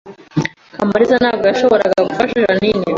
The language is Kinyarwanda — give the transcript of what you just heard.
Kamariza ntabwo yashoboraga gufasha Jeaninne